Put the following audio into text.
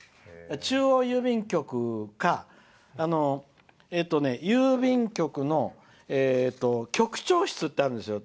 中央郵便局か郵便局の局長室ってあるんですよ。